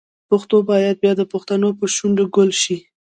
پښتو باید بیا د پښتنو په شونډو ګل شي.